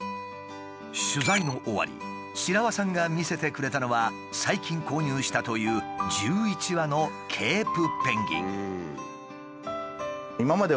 取材の終わり白輪さんが見せてくれたのは最近購入したという１１羽のケープペンギン。